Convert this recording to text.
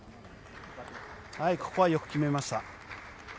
ここはよく決めました。